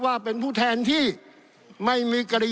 ท่านประธานที่ขอรับครับ